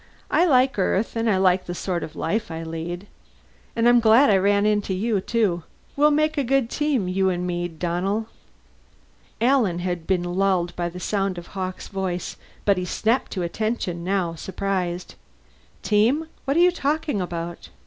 I like Earth and I like the sort of life I lead. And I'm glad I ran into you, too we'll make a good team, you and me, Donnell." Alan had been lulled by the sound of Hawkes' voice but he snapped to attention now, surprised. "Team? What are you talking about?"